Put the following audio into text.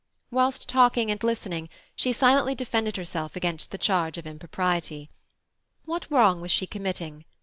Whilst talking and listening, she silently defended herself against the charge of impropriety. What wrong was she committing?